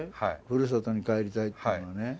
古里に帰りたいっていうのはね。